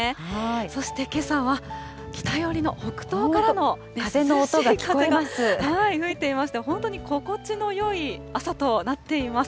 そしてけさは北寄りの北東からの涼しい風が吹いていまして、本当に心地のよい朝となっています。